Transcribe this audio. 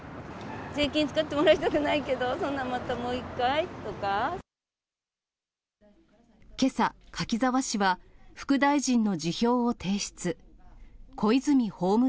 税金使ってもらいたくないけけさ、柿沢氏は副大臣の辞表を提出。